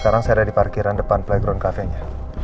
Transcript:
sekarang saya ada di parkiran depan playground cafe nya